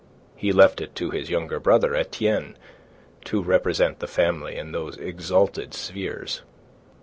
He left it to his younger brother, Etienne, to represent the family in those exalted spheres.